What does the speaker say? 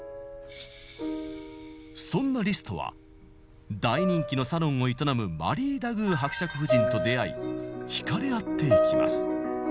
そんなリストは大人気のサロンを営むマリー・ダグー伯爵夫人と出会い惹かれ合っていきます。